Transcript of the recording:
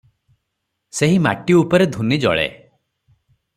ସେହି ମାଟି ଉପରେ ଧୂନି ଜଳେ ।